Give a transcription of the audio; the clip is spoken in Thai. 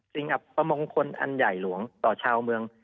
อับประมงคลอันใหญ่หลวงต่อชาวเมือง